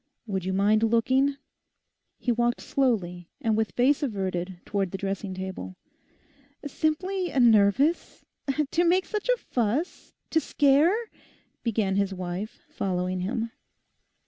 Would you mind looking?' He walked slowly and with face averted towards the dressing table. 'Simply a nervous—to make such a fuss, to scare!...' began his wife, following him.